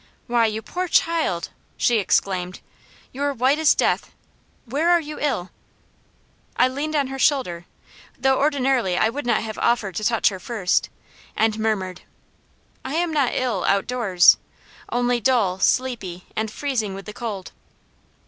"Why, you poor child!" She exclaimed, "you're white as death! Where are you ill?" I leaned on her shoulder, though ordinarily I would not have offered to touch her first, and murmured: "I am not ill, outdoors, only dull, sleepy, and freezing with the cold."